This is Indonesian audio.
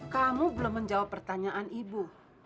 kamu belum menjawab pertanyaan ibu